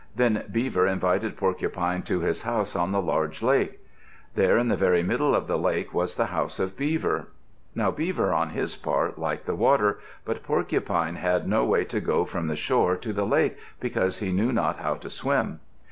Then Beaver invited Porcupine to his house on the large lake. There in the very middle of the lake was the house of Beaver. Now Beaver, on his part, liked the water, but Porcupine had no way to go from the shore to the lake, because he knew not how to swim.